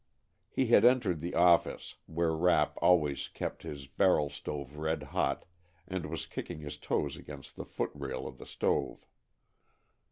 He had entered the office, where Rapp always kept his barrel stove red hot, and was kicking his toes against the foot rail of the stove.